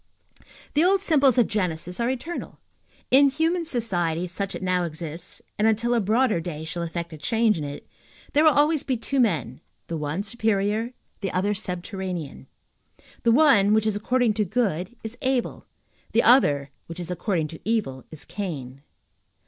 The old symbols of Genesis are eternal; in human society, such as it now exists, and until a broader day shall effect a change in it, there will always be two men, the one superior, the other subterranean; the one which is according to good is Abel; the other which is according to evil is Cain.